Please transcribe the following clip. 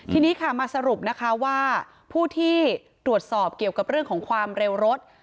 ทีนี้มาสรุปว่าผู้ที่ตรวจสอบเรื่องความเร็วรถ